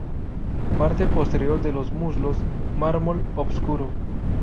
Parte posterior de los muslos mármol obscuro.